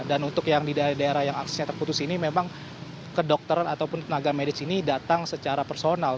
dan untuk yang di daerah daerah yang aksesnya terputus ini memang kedokteran ataupun tenaga medis ini datang secara personal